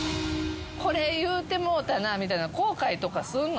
これ言うてもうたなみたいな後悔とかすんの？